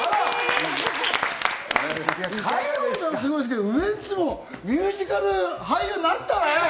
海宝さんすごいですけど、ウエンツもミュージカル俳優になったね！